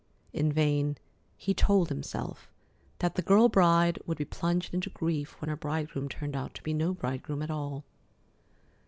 In vain he told himself that the girl bride would be plunged into grief when her bridegroom turned out to be no bridegroom at all.